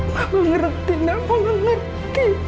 mama ngerti nak mau ngerjain kita